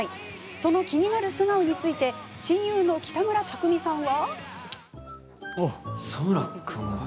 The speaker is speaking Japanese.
その気になる素顔について親友の北村匠海さんは。